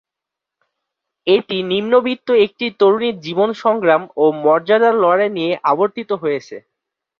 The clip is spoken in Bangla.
এটি নিম্নবিত্ত একটি তরুণীর জীবন-সংগ্রাম ও মর্যাদার লড়াই নিয়ে আবর্তিত হয়েছে।